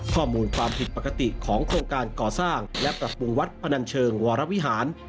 ความผิดปกติของโครงการก่อสร้างและปรับปรุงวัดพนันเชิงวรวิหาร